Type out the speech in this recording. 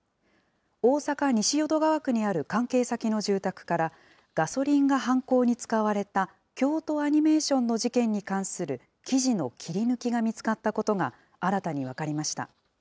大阪・西淀川区にある関係先の住宅から、ガソリンが犯行に使われた京都アニメーションの事件に関する記事の切り抜きが見つかったことが新たに分かりました。